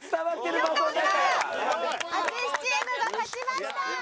淳チームが勝ちました。